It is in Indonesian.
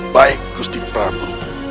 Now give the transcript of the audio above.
baik gusti prabu